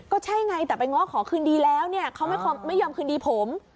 ก็ใช่ไงแต่ไปง้อขอคืนดีแล้วเนี่ยเขาไม่ยอมคืนดีผม